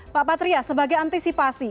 pak patria sebagai antisipasi